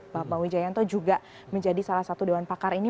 bapak wijayanto juga menjadi salah satu dewan pakar ini